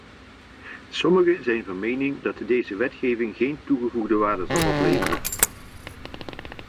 Sommigen zijn van mening dat deze wetgeving geen toegevoegde waarde zal opleveren.